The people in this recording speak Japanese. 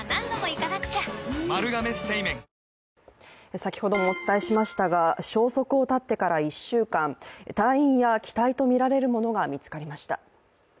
先ほどもお伝えしましたが消息を絶ってから１週間、隊員や機体とみられるものが見つかりました。